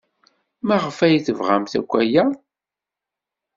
Maɣef ay tebɣamt akk aya?